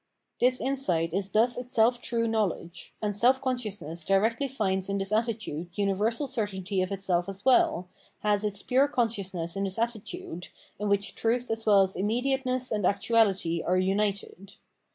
This insight is thus itself true knowledge ; and self consciousness directly finds in this attitude universal certainty of itself as well, has its pure consciousness in this attitude, in which truth as well as immediateness and actuahty are united.